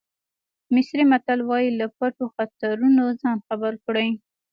مصري متل وایي له پټو خطرونو ځان خبر کړئ.